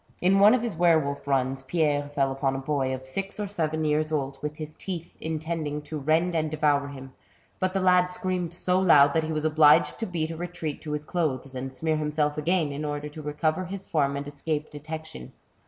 In one of his were wolf runs, Pierre fell upon a boy of six or seven years old, with his teeth, intending to rend and devour him, but the lad screamed so loud that he was obliged to beat a retreat to his clothes, and smear himself again, in order to recover his form and escape detection.